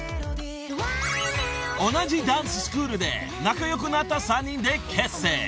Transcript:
［同じダンススクールで仲良くなった３人で結成］